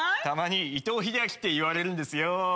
たまに伊藤英明って言われるんですよ。